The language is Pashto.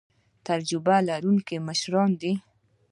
تجربه لرونکي مشران دي